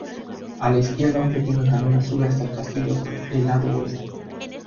A la izquierda un pequeño camino sube hasta el castillo por el lado oeste.